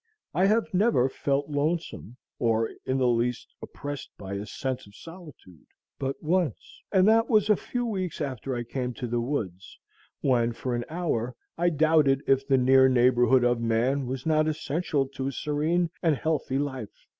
I have never felt lonesome, or in the least oppressed by a sense of solitude, but once, and that was a few weeks after I came to the woods, when, for an hour, I doubted if the near neighborhood of man was not essential to a serene and healthy life.